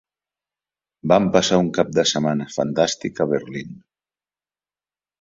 Vam passar un cap de setmana fantàstic a Berlín.